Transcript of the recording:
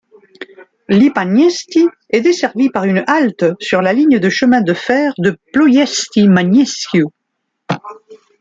Lipănești est desservie par une halte sur la ligne de chemin de fer Ploiești-Măneciu.